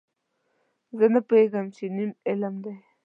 زه نه پوهېږم، نیم علم دی.